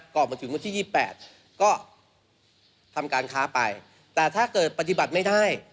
ก่อนมาถึงวันที่๒๘ก็ทำการค้าไปแต่ถ้าเกิดปฏิบัติไม่ได้